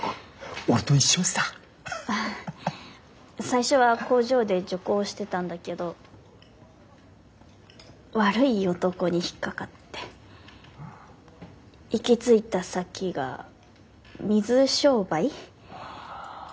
最初は工場で女工してたんだけど悪い男に引っ掛かって行き着いた先が水商売。